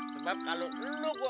sebab kalau lu gue